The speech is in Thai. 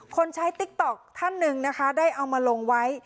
ใช้ติ๊กต๊อกท่านหนึ่งนะคะได้เอามาลงไว้